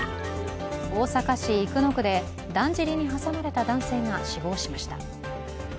大阪市生野区で、だんじりに挟まれた男性が死亡しました。